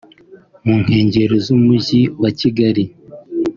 mu nkengero z’Umujyi wa Kigali